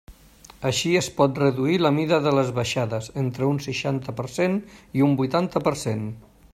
Així, es pot reduir la mida de les baixades entre un seixanta per cent i un vuitanta per cent.